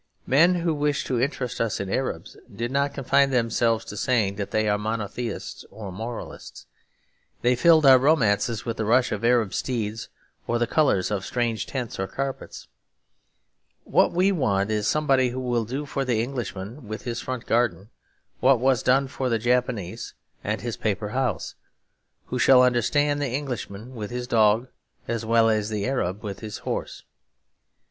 Men who wished to interest us in Arabs did not confine themselves to saying that they are monotheists or moralists; they filled our romances with the rush of Arab steeds or the colours of strange tents or carpets. What we want is somebody who will do for the Englishman with his front garden what was done for the Jap and his paper house; who shall understand the Englishman with his dog as well as the Arab with his horse.